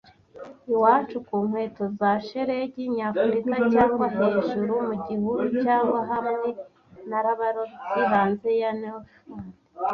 Iwacu ku nkweto za shelegi nyafurika cyangwa hejuru mu gihuru, cyangwa hamwe nabarobyi hanze ya Newfoundland,